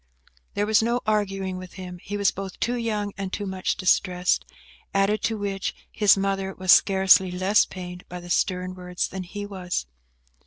There was no use arguing with him; he was both too young and too much distressed; added to which, his mother was scarcely less pained by the stern words than he was.